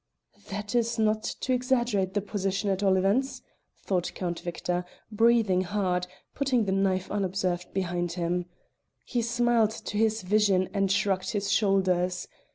"That is not to exaggerate the position, at all events," thought Count Victor, breathing hard, putting the knife unobserved behind him. He smiled to this vision and shrugged his shoulders.